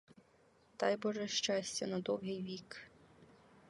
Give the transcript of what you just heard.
Дай боже щастя на довгий вік!